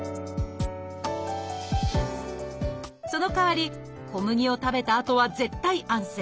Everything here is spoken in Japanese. そのかわり小麦を食べたあとは絶対安静。